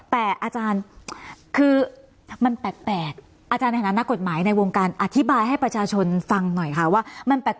แต่อาจารย์คือมันแปลกอาจารย์ในฐานะกฎหมายในวงการอธิบายให้ประชาชนฟังหน่อยค่ะว่ามันแปลก